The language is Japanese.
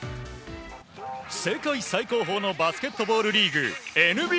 世界最高峰のバスケットボールリーグ、ＮＢＡ。